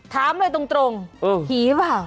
เออถามเลยตรงหิวเหรอ